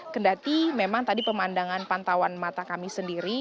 kendati memang tadi pemandangan pantauan mata kami sendiri